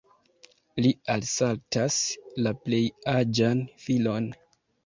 Li alsaltas la plej aĝan filon.